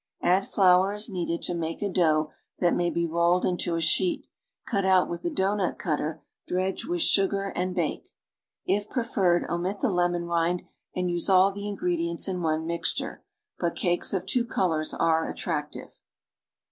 . \dd flour as needed to make a dough that may be rolled into a sheet; cut out with a dough nut cutter, dredge with sugar and bake. If preferred, oniit the lemon rind and use all the ingredients in one mixture; but cakes of t^\o colors are attractive.